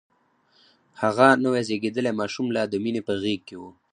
هغه نوی زيږدلی ماشوم لا د مينې په غېږ کې و.